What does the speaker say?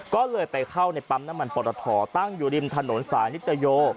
ก็เลยไปเข้าในปั๊มน้ำมันปรทตั้งอยู่ริมถนนสายนิตโย